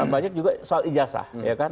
banyak juga soal ijazah